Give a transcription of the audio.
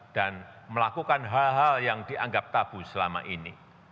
dan melakukan hal hal yang dianggap tabu selama ini